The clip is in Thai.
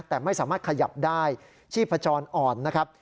แต่ไม่สามารถขยับได้ชีพจรอ่อนนะครับ